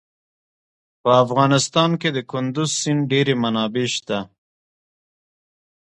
په افغانستان کې د کندز سیند ډېرې منابع شته.